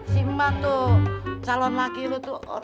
simba tuh calon laki lu tuh sarjana hukum